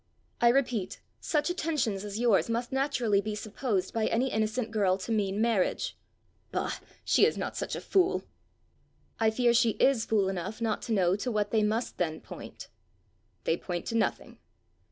"I repeat, such attentions as yours must naturally be supposed by any innocent girl to mean marriage." "Bah! she is not such a fool!" "I fear she is fool enough not to know to what they must then point!" "They point to nothing."